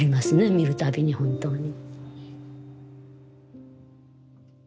見る度に本当に。